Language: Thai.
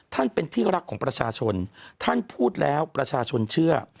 ท่านเป็นที่รักของประชาชนท่านพูดแล้วประชาชนเชื่อ